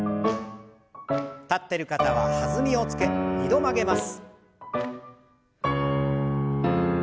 立ってる方は弾みをつけ２度曲げます。